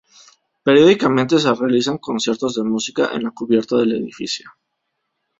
Periódicamente se realizan conciertos de música en la cubierta del edificio.